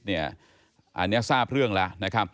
อันนี้ทราบเรื่องแล้ว